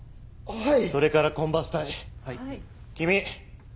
はい。